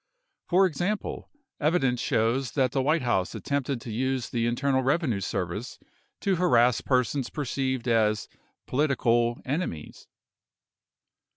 For example, evidence shows that the White House attempted to use the Internal Revenue Service to harass persons perceived as political "enemies".